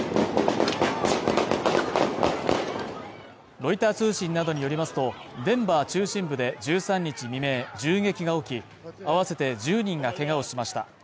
ロイター通信などによりますと、デンバー中心部で１３日未明、銃撃が起き合わせて１０人がけがをしました。